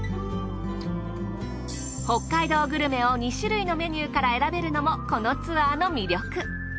北海道グルメを２種類のメニューから選べるのもこのツアーの魅力。